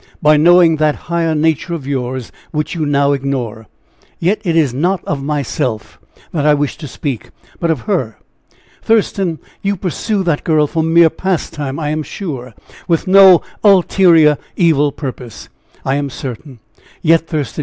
By knowing that higher nature of yours, which you now ignore. Yet it is not of myself that I wish to speak, but of her. Thurston, you pursue that girl for mere pastime, I am sure with no ulterior evil purpose, I am certain; yet, Thurston!"